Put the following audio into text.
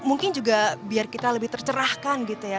mungkin juga biar kita lebih tercerahkan gitu ya